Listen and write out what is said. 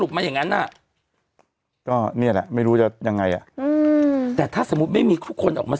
ก็นี่แหละไม่รู้จะยังไงอ่ะอืมแต่ถ้าสมมุติไม่มีคนออกมา